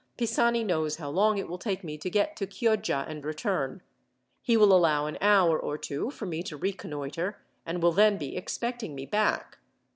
Pisani knows how long it will take me to get to Chioggia and return. He will allow an hour or two for me to reconnoitre, and will then be expecting me back.